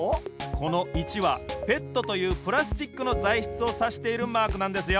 この「１」はＰＥＴというプラスチックのざいしつをさしているマークなんですよ。